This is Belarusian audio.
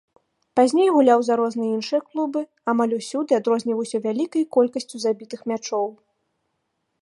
Пазней гуляў за розныя іншыя клубы, амаль усюды адрозніваўся вялікай колькасцю забітых мячоў.